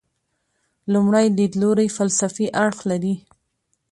لومړی لیدلوری فلسفي اړخ لري.